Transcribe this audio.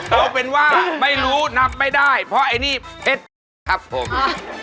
เอาเป็นว่าไม่รู้นับไม่ได้เพราะไอ้นี่เพชรครับผม